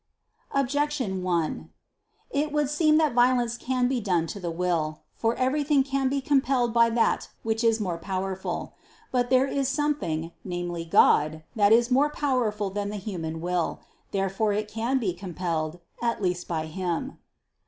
Objection 1: It would seem that violence can be done to the will. For everything can be compelled by that which is more powerful. But there is something, namely, God, that is more powerful than the human will. Therefore it can be compelled, at least by Him.